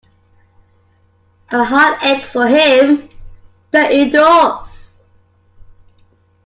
My heart aches for him; that it does!